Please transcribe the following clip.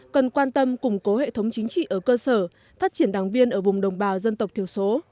cần quan tâm củng cố hệ thống chính trị ở cơ sở phát triển đảng viên ở vùng đồng bào dân tộc thiểu số